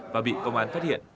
và bị công an phát hiện